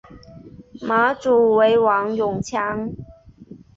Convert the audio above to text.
马主为王永强。